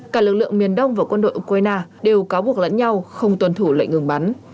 cả lực lượng miền đông và quân đội ukraine đều cáo buộc lẫn nhau không tuân thủ lệnh ngừng bắn